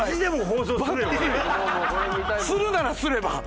するならすれば？